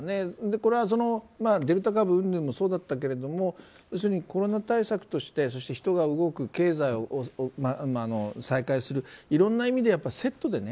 これはデルタ株うんぬんもそうだったけど、要するにコロナ対策として人が動く、経済を再開するいろんな意味でセットでね